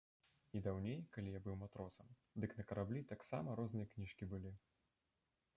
І даўней, калі я быў матросам, дык на караблі таксама розныя кніжкі былі.